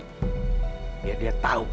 biar dia tau